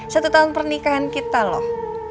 satu tahun pernikahan kita loh